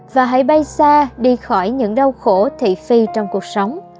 và hãy bay xa đi khỏi những đau khổ thị phi trong cuộc sống